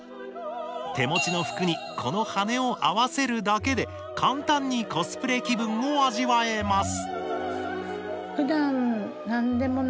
手持ちの服にこの羽根を合わせるだけで簡単にコスプレ気分を味わえます